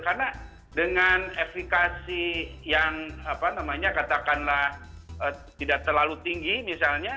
karena dengan eflikasi yang katakanlah tidak terlalu tinggi misalnya